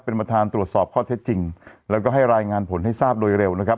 เป็นประธานตรวจสอบข้อเท็จจริงแล้วก็ให้รายงานผลให้ทราบโดยเร็วนะครับ